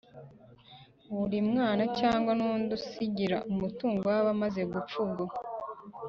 buri mwana cyangwa n'undi asigira umutungo we amaze gupfa. ubwo